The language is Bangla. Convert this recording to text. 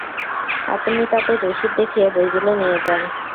আপনি তাদের রসিদ দেখিয়ে বইগুলো নিয়ে যান।